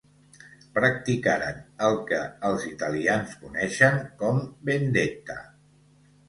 Practicaren el que els italians coneixen com vendetta.